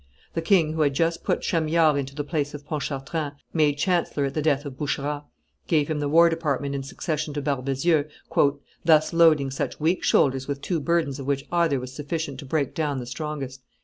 The king, who had just put Chamillard into the place of Pontchartrain, made chancellor at the death of Boucherat, gave him the war department in succession to Barbezieux, "thus loading such weak shoulders with two burdens of which either was sufficient to break down the strongest."